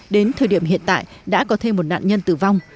đến thời điểm hiện tại đã có thêm một nạn nhân tử vong